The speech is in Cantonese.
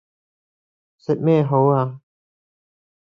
食咩好啊